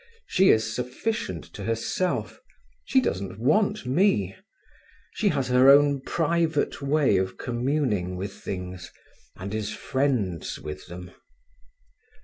"She is sufficient to herself—she doesn't want me. She has her own private way of communing with things, and is friends with them."